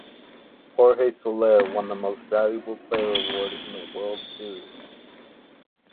Jorge Soler won the Most Valuable Player award in the World Series.